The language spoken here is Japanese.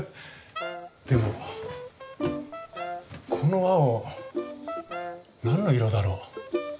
でもこの青何の色だろう？